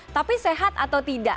tapi sehat atau tidak